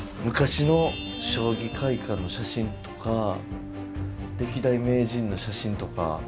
昔の将棋会館の写真とか歴代名人の写真とか。